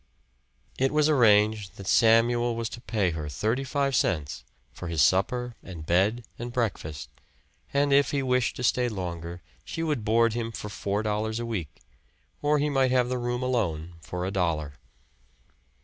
It was arranged that Samuel was to pay her thirty five cents for his supper and bed and breakfast, and if he wished to stay longer she would board him for four dollars a week, or he might have the room alone for a dollar.